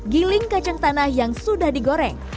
giling kacang tanah yang sudah digoreng